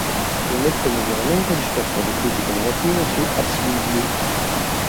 Un netto miglioramento rispetto alle critiche negative su "Absolutely".